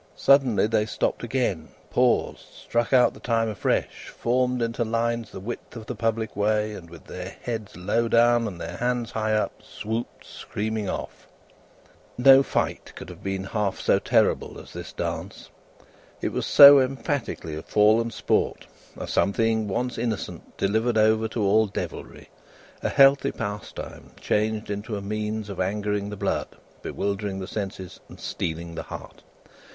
Suddenly they stopped again, paused, struck out the time afresh, formed into lines the width of the public way, and, with their heads low down and their hands high up, swooped screaming off. No fight could have been half so terrible as this dance. It was so emphatically a fallen sport a something, once innocent, delivered over to all devilry a healthy pastime changed into a means of angering the blood, bewildering the senses, and steeling the heart.